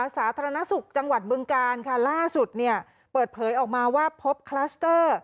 สาธารณสุขจังหวัดบึงการค่ะล่าสุดเนี่ยเปิดเผยออกมาว่าพบคลัสเตอร์